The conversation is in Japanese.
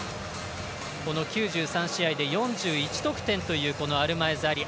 この９３試合で４１得点というアルマエズ・アリ。